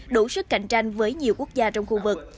đủ sức cạnh tranh với nhiều quốc gia trong khu vực